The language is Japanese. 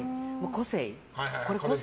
個性。